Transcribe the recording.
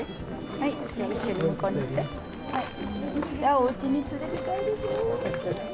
おうちに連れて帰るぞ。